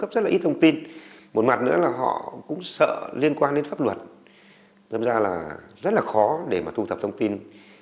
rất là khó để mà thu thập thông tin